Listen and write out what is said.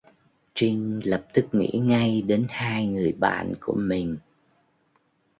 Triinh lập tức nghĩ ngay đến hai người bạn của mình